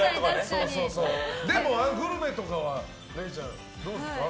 でも、グルメとかはれいちゃんどうですか？